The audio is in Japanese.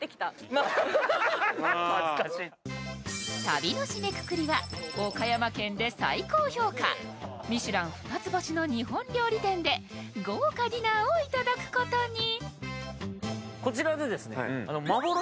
旅の締めくくりは岡山県で最高評価ミシュラン二つ星の日本料理店で豪華ディナーを頂くことに。